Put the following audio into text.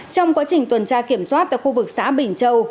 trong quá trình tuần tra kiểm soát tại khu vực xã bình châu